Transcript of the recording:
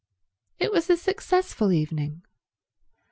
It was a successful evening.